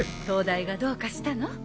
灯台がどうかしたの？